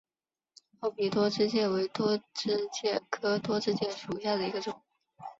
厚皮多枝介为多枝介科多枝介属下的一个种。